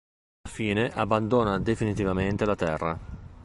Alla fine abbandona definitivamente la terra.